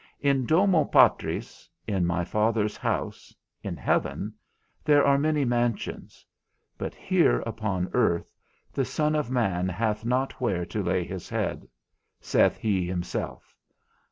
In domo Patris, in my Father's house, in heaven, there are many mansions; but here, upon earth, the Son of man hath not where to lay his head, saith he himself.